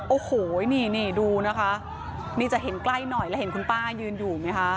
โอ้โหนี่นี่ดูนะคะนี่จะเห็นใกล้หน่อยแล้วเห็นคุณป้ายืนอยู่ไหมคะ